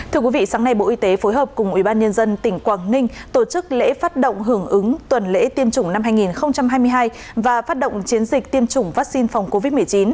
thưa quý vị sáng nay bộ y tế phối hợp cùng ubnd tỉnh quảng ninh tổ chức lễ phát động hưởng ứng tuần lễ tiêm chủng năm hai nghìn hai mươi hai và phát động chiến dịch tiêm chủng vaccine phòng covid một mươi chín